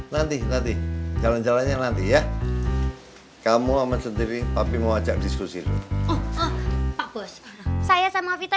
nanti nanti jalan jalannya nanti ya kamu aman sendiri tapi mau ajak diskusi saya sama vita